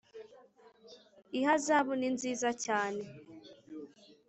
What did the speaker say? ihazabu ni nziza cyane